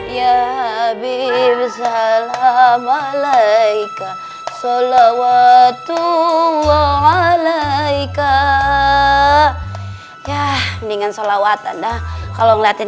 ya habib salam alaika salawat tuhan alaika ya mendingan salawat anda kalau ngeliatin